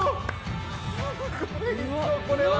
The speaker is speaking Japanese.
すごいぞこれは。